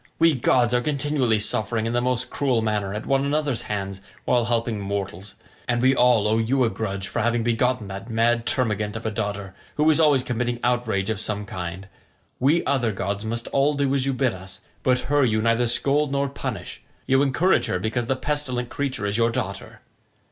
We gods are continually suffering in the most cruel manner at one another's hands while helping mortals; and we all owe you a grudge for having begotten that mad termagant of a daughter, who is always committing outrage of some kind. We other gods must all do as you bid us, but her you neither scold nor punish; you encourage her because the pestilent creature is your daughter.